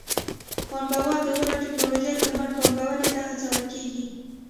پانګوال د غوره ټکنالوژۍ پر مټ پانګونې ته هڅول کېږي.